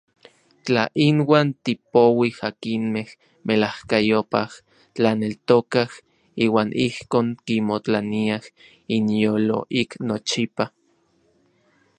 Tla inuan tipouij akinmej melajkayopaj tlaneltokaj iuan ijkon kimotlaniaj inyolo ik nochipa.